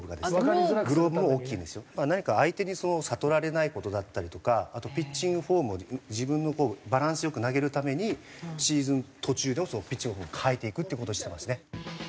何か相手に悟られない事だったりとかあとピッチングフォームで自分のバランスよく投げるためにシーズン途中でもピッチング方法を変えていくっていう事をしてますね。